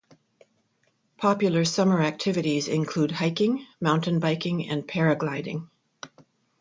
Popular summer activities include hiking, mountain biking, and paragliding.